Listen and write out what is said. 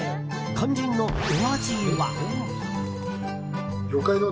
肝心のお味は。